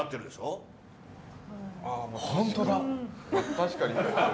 確かに。